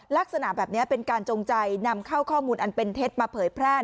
ลักษณะแบบนี้เป็นการจงใจนำเข้าข้อมูลอันเป็นเท็จมาเผยแพร่